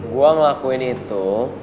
gue ngelakuin itu